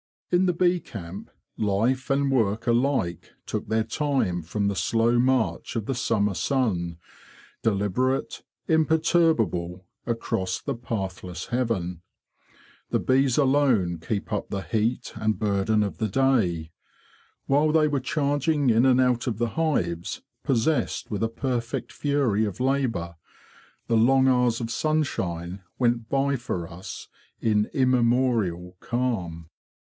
In the bee camp, life and work alike took their time from the slow march of the summer sun, deliberate, imperturbable, across the pathless heaven. The bees alone keep up the heat and burden of the day. While they were charging in and out of the hives, possessed with a perfect fury of labour, the long hours of sunshine went by for us in immemorial calm.